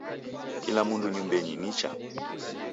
Kila mundu nyumbenyi nicha?